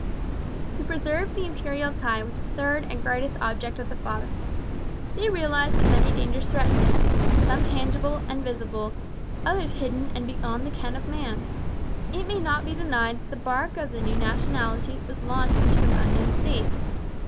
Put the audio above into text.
To preserve the Imperial tie was the third and greatest object of the Fathers. They realized that many dangers threatened it some tangible and visible, others hidden and beyond the ken of man. It may not be denied that the barque of the new nationality was launched into an unknown sea.